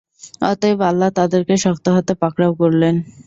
অতএব, আল্লাহ তাদেরকে শক্ত হাতে পাকড়াও করলেন।